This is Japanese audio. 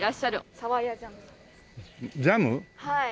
はい。